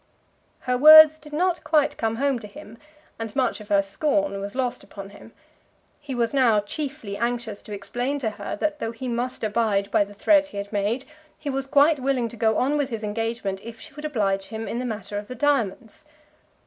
Her words did not quite come home to him, and much of her scorn was lost upon him. He was now chiefly anxious to explain to her that though he must abide by the threat he had made, he was quite willing to go on with his engagement if she would oblige him in the matter of the diamonds.